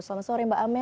selamat sore mbak amel